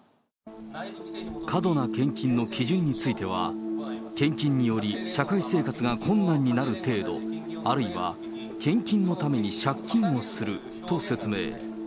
過度な献金の基準については、献金により社会生活が困難になる程度、あるいは献金のために借金をすると説明。